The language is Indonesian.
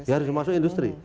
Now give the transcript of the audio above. kuncinya harus masuk industri